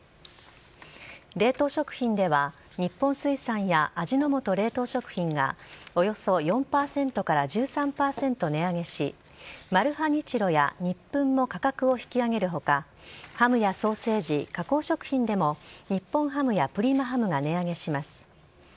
冷凍食品では、日本水産や味の素冷凍食品が、およそ４％から１３％値上げし、マルハニチロやニップンも価格を引き上げるほか、ハムやソーセージ、加工食品でも日本ハムやプリマハムが値上げします。